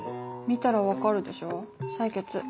見たら分かるでしょ採血。